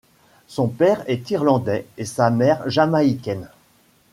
Son père est Irlandais et sa mère Jamaïcaine.